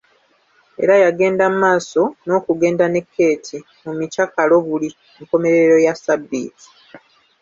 Era yagenda mu maaso n’okugenda ne Keeti mu mikyakalo buli nkomerero ya ssabbiiti.